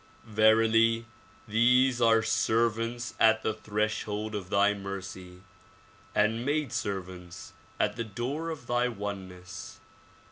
Verily these are servants at the threshold of thy mercy, and maid servants at the door of thy oneness.